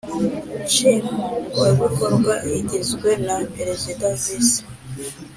Nshingwabikorwa igizwe na perezida visi